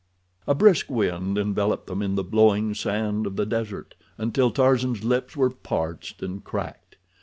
A brisk wind enveloped them in the blowing sand of the desert, until Tarzan's lips were parched and cracked.